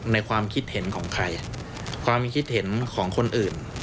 ความคิดเห็นของใครความคิดเห็นของคนอื่น